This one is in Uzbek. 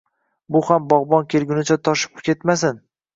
Bu ham bogʻbon kelgunicha toshib ketmasin.